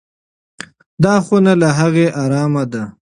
دا خونه له هغې ارامه ده.